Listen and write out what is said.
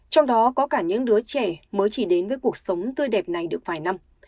trong đó có cả những đứa trẻ mới chỉ đến với cuộc sống tươi đẹp này được vài năm